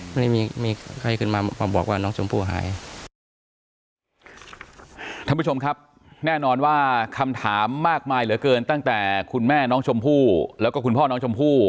ไม่ได้มีมีใครขึ้นมาบอกว่าน้องชมพู่หาย